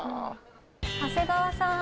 長谷川さん！